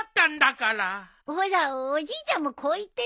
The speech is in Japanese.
ほらおじいちゃんもこう言ってることだしさ。